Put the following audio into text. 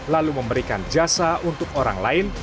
lalu memberikan jasa untuk orang lain